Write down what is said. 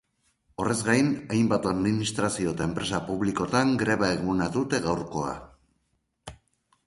Horrez gain, hainbat administrazio eta enpresa publikotan greba eguna dute gaurkoa.